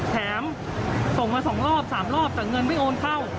แถมส่งมา๒รอบ๓รอบแต่เงินไม่โอนเข้า